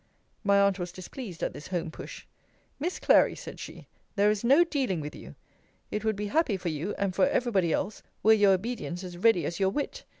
My aunt was displeased at this home push. Miss Clary, said she, there is no dealing with you. It would be happy for you, and for every body else, were your obedience as ready as your wit.